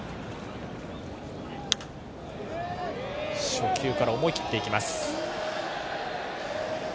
初球から思い切って行きました。